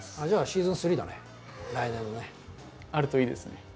じゃあシーズン３だね来年のね。あるといいですね。